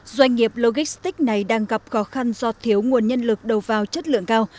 doanh nghiệp logistics này đang gặp khó khăn do thiếu nguồn nhân lực đầu vào chất lượng cao